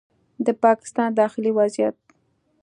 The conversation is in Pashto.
د پاکستان داخلي وضعیت